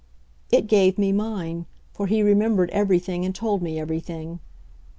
It gave me mine, for he remembered everything and told me everything.